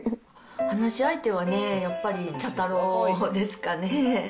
話し相手はね、やっぱり茶太郎ですかね。